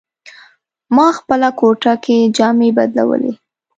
ما خپله کوټه کې جامې بدلولې.